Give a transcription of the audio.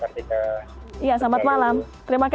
selamat malam mbak tia kartika